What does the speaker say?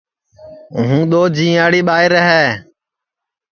ہُوں دؔو جِئیئاڑی ٻائیر ہے